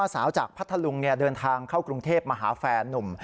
สาวจากพัทธลุงเดินทางเข้ากรุงเทพมาหาแฟนนุ่ม